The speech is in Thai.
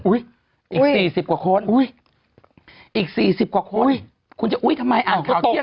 อุ้ยอุ้ยอีกสี่สิบกว่าคนอุ้ยอีกสี่สิบกว่าคนอุ้ยคุณจะอุ้ยทำไมอ่านข่าวเที่ยง